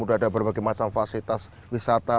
sudah ada berbagai macam fasilitas wisata